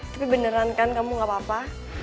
tapi beneran kan kamu gak apa apa